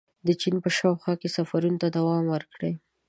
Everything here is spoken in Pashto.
• د چین په شاوخوا کې یې سفرونو ته دوام ورکړ.